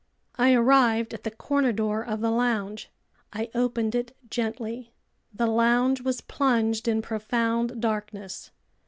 I arrived at the corner door of the lounge. I opened it gently. The lounge was plunged in profound darkness.